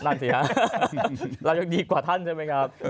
นั่นสิฮะเรายังดีกว่าท่านใช่ไหมครับ